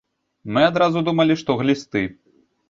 Мы адразу думалі, што глісты.